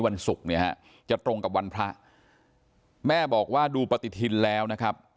วันศุกร์เนี่ยฮะจะตรงกับวันพระแม่บอกว่าดูปฏิทินแล้วนะครับ